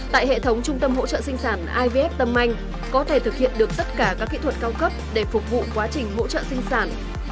tại hệ thống trung tâm hỗ trợ sinh sản ivf tâm anh có thể thực hiện được tất cả các kỹ thuật cao cấp để phục vụ quá trình hỗ trợ sinh sản